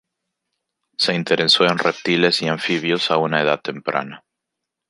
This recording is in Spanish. Se interesó en reptiles y anfibios a una edad temprana.